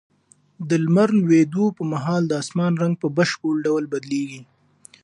د لمر لوېدو پر مهال د اسمان رنګ په بشپړ ډول بدلېږي.